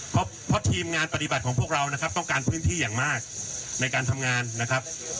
เพราะทีมงานปฏิบัติของพวกเรานะครับต้องการพื้นที่อย่างมากในการทำงานนะครับ